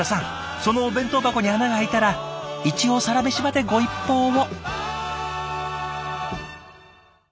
そのお弁当箱に穴が開いたら一応「サラメシ」までご一報を。